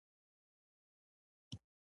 چې څه راته راپېښ شول؟